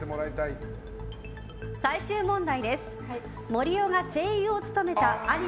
最終問題です。